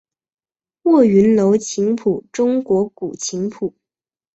卧云楼琴谱中国古琴谱。